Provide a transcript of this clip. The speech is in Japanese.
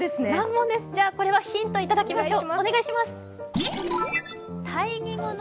ヒントいただきましょう。